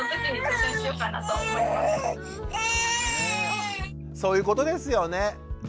そういうことですよね。